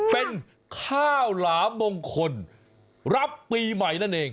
เป็นข้าวหลามงคลรับปีใหม่นั่นเอง